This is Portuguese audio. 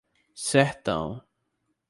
Sertão